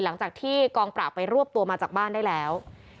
หลังจากที่กองปราบไปรวบตัวมาจากบ้านได้แล้ว